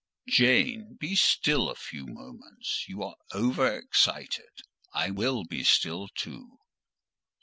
"Jane, be still a few moments: you are over excited: I will be still too."